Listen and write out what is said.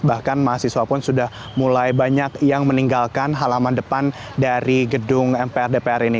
bahkan mahasiswa pun sudah mulai banyak yang meninggalkan halaman depan dari gedung mpr dpr ini